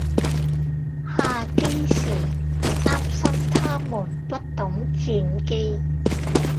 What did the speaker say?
下機時擔心她們不懂轉機